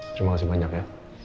terima kasih banyak ya